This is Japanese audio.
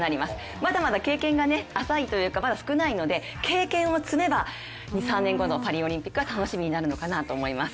まだまだ経験が少ないので経験を積めば２３年後のパリオリンピックは楽しみになるのかなと思います。